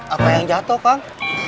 apa yang jatuh kang